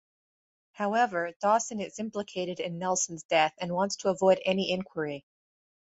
However, Dawson is implicated in Nelson's death and wants to avoid any inquiry.